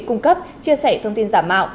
cung cấp chia sẻ thông tin giả mạo